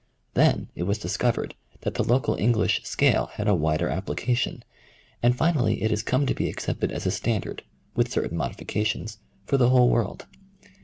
Then it was discovered that the local English scale had a wider application, and finally it has come to be accepted as a standard, with certain modifications, for the whole world.